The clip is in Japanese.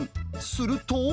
すると。